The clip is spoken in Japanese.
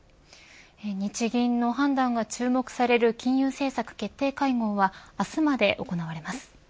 日銀の判断が注目される金融政策決定会合は明日まで行われます。